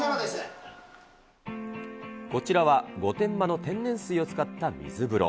こちらは御殿場の天然水を使った水風呂。